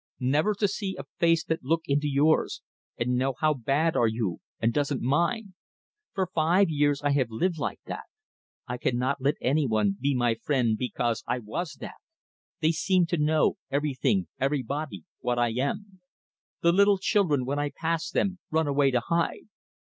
"Never to see a face that look into yours, and know how bad are you, and doesn't mind. For five years I have live like that. I cannot let any one be my friend because I was that! They seem to know everything, everybody what I am. The little children when I pass them run away to hide.